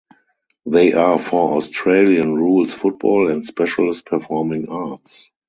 They are for Australian rules football and specialist performing arts.